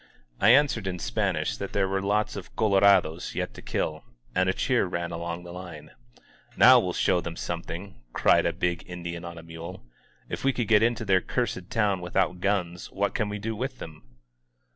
I answered in Spanish that there were lots of colora" do8 yet to kill, and a cheer ran along the line. "Now we'll show them something," cried a big In dian on a mule. "If we could get into their cursed town without guns, what can we do with them?